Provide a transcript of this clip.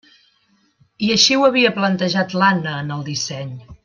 I així ho havia plantejat l'Anna en el disseny.